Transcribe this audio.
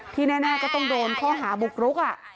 แน่ก็ต้องโดนข้อหาบุกรุก